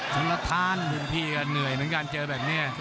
กลุ่มพี่เหนื่อยเหมือนกันเจอแบบเนี่ย